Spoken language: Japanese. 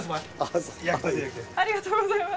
ありがとうございます。